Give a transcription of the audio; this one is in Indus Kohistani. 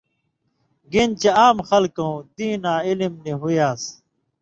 گن چے عام خلکؤں دیناں علم نی ہُوئ یان٘س۔